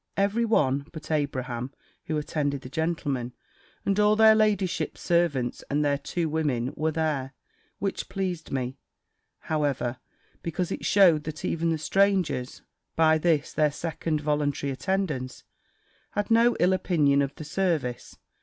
Every one, but Abraham (who attended the gentlemen), and all their ladyships' servants, and their two women, were there; which pleased me, however, because it shewed, that even the strangers, by this their second voluntary attendance, had no ill opinion of the service.